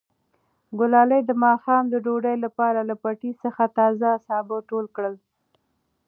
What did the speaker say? ګلالۍ د ماښام د ډوډۍ لپاره له پټي څخه تازه سابه ټول کړل.